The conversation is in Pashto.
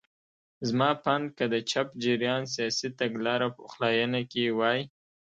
زما په اند که د چپ جریان سیاسي تګلاره پخلاینه کې وای.